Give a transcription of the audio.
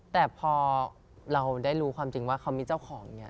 แต่พอเราได้รู้ความจริงว่าเขามีเจ้าของอย่างนี้